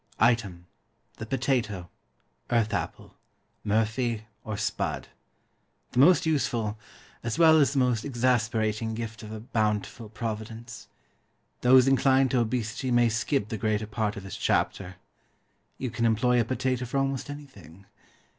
Item, the POTATO, earth apple, murphy, or spud; the most useful, as well as the most exasperating gift of a bountiful Providence. Those inclined to obesity may skip the greater part of this chapter. You can employ a potato for almost anything.